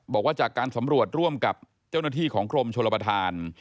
บอกว่าจากการสำรวจร่วมกับเจ้าหน้าที่ของกรมชนประธาน